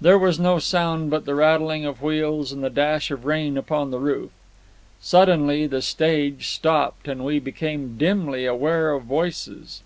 There was no sound but the rattling of wheels and the dash of rain upon the roof. Suddenly the stage stopped and we became dimly aware of voices.